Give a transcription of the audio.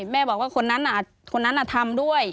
แม่บอกว่าคนนั้นคนนั้นทำด้วย